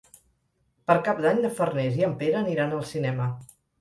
Per Cap d'Any na Farners i en Pere aniran al cinema.